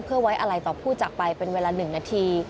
เพื่อไว้อะไรต่อผู้จากไปเป็นเวลา๑นาที